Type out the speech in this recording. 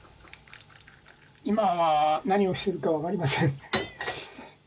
今は何をしてるか分かりません。